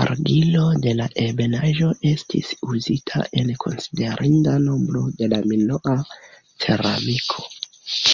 Argilo de la ebenaĵo estis uzita en konsiderinda nombro da minoa ceramiko.